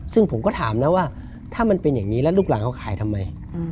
ซึ่งผมก็ถามนะว่าถ้ามันเป็นอย่างนี้แล้วลูกหลานเขาขายทำไม